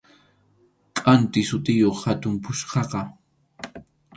Kʼanti sutiyuq hatun puchkaqa.